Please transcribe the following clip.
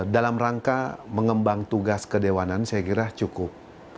dalam rangka mengembang tugas kedewanan saya kira cukup